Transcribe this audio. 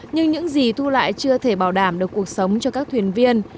nhưng những gì thu lại chưa thể bảo đảm được cuộc sống cho các thuyền viên